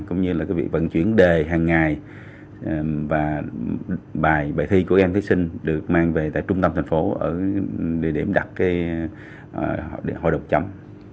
cũng như là việc vận chuyển đề hàng ngày và bài thi của các em thí sinh được mang về tại trung tâm thành phố ở địa điểm đặt hội đồng chấm